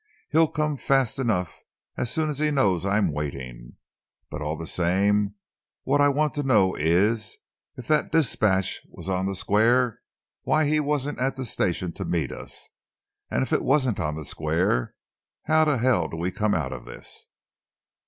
He'll come fast enough as soon as he knows I'm waiting, but all the same, what I want to know is, if that dispatch was on the square, why he wasn't at the station to meet us, and if it wasn't on the square, how the hell do we come out of this?"